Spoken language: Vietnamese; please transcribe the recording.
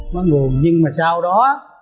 nó nguồn nhưng mà sau đó